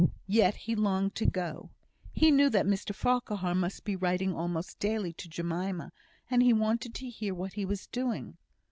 Yet he longed to go: he knew that Mr Farquhar must be writing almost daily to Jemima, and he wanted to hear what he was doing.